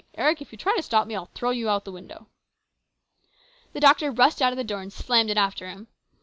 Eric, if you try to stop me, I'll throw you through the window." The doctor rushed out of the door and slammed it after him.